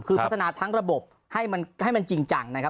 คือพัฒนาทั้งระบบให้มันจริงจังนะครับ